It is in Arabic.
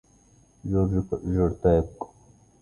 جورج جرداق